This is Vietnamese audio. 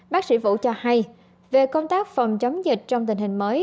bác sĩ vũ cho hay về công tác phòng chống dịch trong tình hình mới